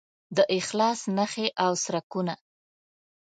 د اخلاص نښې او څرکونه